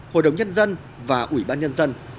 hội đồng nhân dân và ủy ban nhân dân